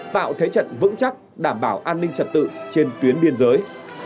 tạo thế trận vững chắc đảm bảo an ninh trật tự trên tuyến biên giới